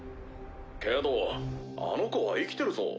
けどあの子は生きてるぞ。